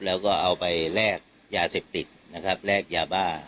แล้วก็เอาไปแลกยาเสพติดนะครับแลกยาบ้า